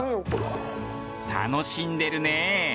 楽しんでるね。